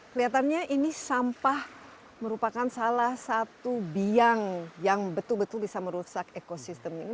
kelihatannya ini sampah merupakan salah satu biang yang betul betul bisa merusak ekosistem ini